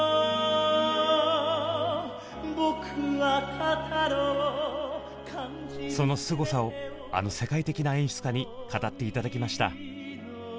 「僕は語ろう」そのすごさをあの世界的な演出家に語って頂きました。